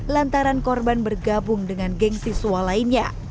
lantaran korban bergabung dengan geng siswa lainnya